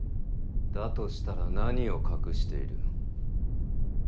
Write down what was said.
だとしたら何を隠している？